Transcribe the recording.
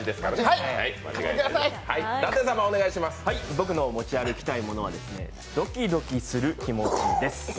僕の持ち歩きたいものはドキドキする気持ちです。